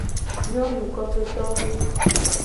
Kopetowo nyonuwo.